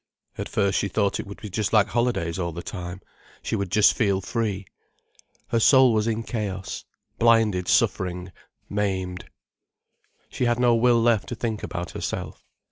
At first she thought it would be just like holidays all the time, she would feel just free. Her soul was in chaos, blinded suffering, maimed. She had no will left to think about herself.